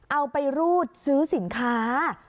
เอาไปรูดซื้อสินค้า